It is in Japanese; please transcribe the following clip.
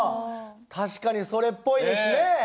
確かにそれっぽいですね。